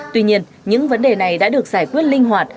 tuy nhiên những vấn đề này đã được giải quyết linh hoạt